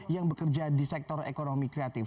yang bekerja di sektor ekonomi kreatif